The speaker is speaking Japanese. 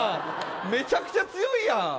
めちゃくちゃ強いやん。